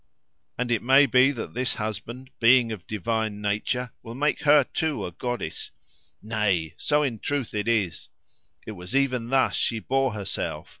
And it may be that this husband, being of divine nature, will make her too a goddess. Nay! so in truth it is. It was even thus she bore herself.